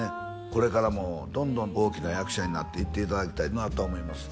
これからもどんどん大きな役者になっていっていただきたいなと思います